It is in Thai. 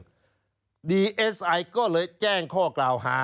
คุณสุประชัยก็เลยแจ้งข้อกล่าวหา